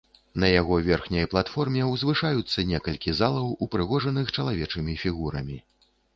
На яго верхняй платформе ўзвышаюцца некалькі залаў, упрыгожаных чалавечымі фігурамі.